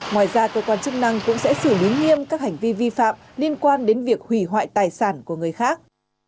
ngoài ra cơ quan chức năng cũng sẽ xử lý nghiêm các hành vi vi phạm liên quan đến việc hủy hoại tài sản của người khác